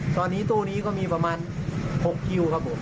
ตอนนี้ตู้นี้ก็มีประมาณ๖คิวครับผม